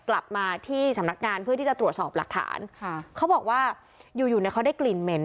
กลับมาที่สำนักงานเพื่อที่จะตรวจสอบหลักฐานค่ะเขาบอกว่าอยู่อยู่เนี่ยเขาได้กลิ่นเหม็น